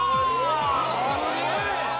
すげえ！